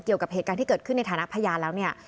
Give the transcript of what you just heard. เกี่ยวกับเหตุการณ์ที่เกิดขึ้นในฐานะพยานแล้วเนี่ย